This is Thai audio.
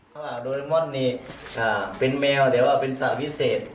โดราไอมอนนี่เป็นแมวแต่ว่าเป็นสารพิเศษ